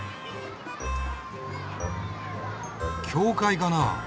・・教会かな。